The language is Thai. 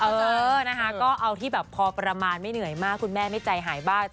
เออนะคะก็เอาที่แบบพอประมาณไม่เหนื่อยมากคุณแม่ไม่ใจหายบ้าง